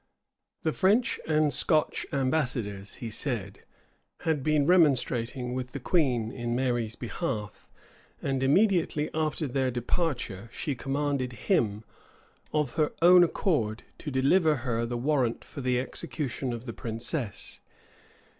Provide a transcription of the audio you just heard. The French and Scotch ambassadors, he said, had been remonstrating with the queen in Mary's behalf; and immediately after their departure, she commanded him, of her own accord to deliver her the warrant for the execution of that princess.